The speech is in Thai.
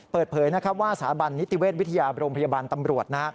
เปิดเผยว่าสถาบันนิติเวชวิทยาโรงพยาบาลตำรวจ